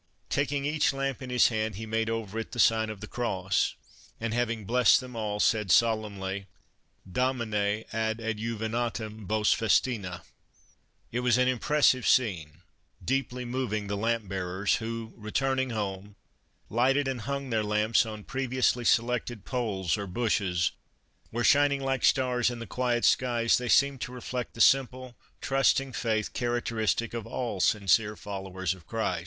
Taking each lamp in his hand he made over it the sign of the cross, and having blessed them all said solemnly :" Domwe, ad adjuvandem vos festina." It was an impressive scene, deeply moving the lamp bearers, who, re turning home, lighted and hung their lamps on previously selected poles or bushes, where shining like stars in the quiet skies they seemed to reflect the simple, trusting faith characteristic of all sincere followers of Christ.